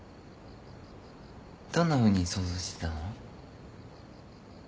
どんなふうに想像してたの？